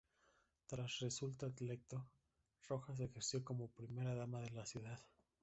Tras resultar electo, Rojas ejerció como primera dama de la ciudad.